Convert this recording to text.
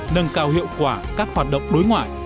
nâng cao hiệu quả các hoạt động đối ngoại